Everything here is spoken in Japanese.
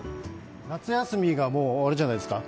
夏休みがもう終わるじゃないですか。